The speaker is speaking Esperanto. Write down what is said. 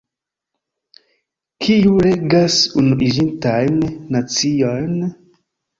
Kiu regas Unuiĝintajn Naciojn?